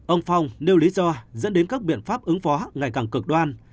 ông phong nêu lý do dẫn đến các biện pháp ứng phó ngày càng cực đoan